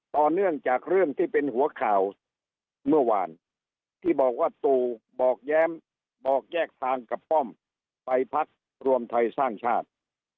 ต่อเนื่องจากเรื่องที่เป็นหัวข่าวเมื่อวานที่บอกว่าตู่บอกแย้มบอกแยกทางกับป้อมไปพักรวมไทยสร้างชาติ